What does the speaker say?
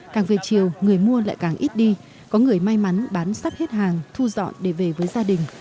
càng về chiều người mua lại càng ít đi có người may mắn bán sắp hết hàng thu dọn để về với gia đình